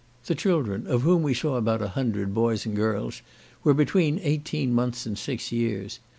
The children, of whom we saw about a hundred, boys and girls, were between eighteen months and six years.